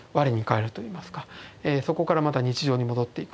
そこからまた日常に戻っていく。